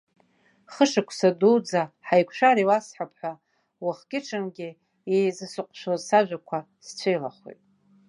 Хышықәса дуӡӡа, ҳаиқәшәар иуасҳәап ҳәа, уахгьы-ҽынгьы еизысыҟәшәоз сажәақәа сцәеилахәеит.